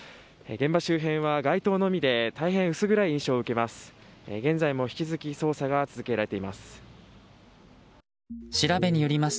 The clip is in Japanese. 現場周辺は街灯のみで大変薄暗い印象を受けます。